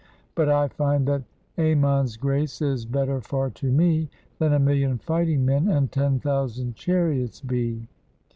But I find that Ammon's grace Is better far to me Than a million fighting men and ten thousand chariots be.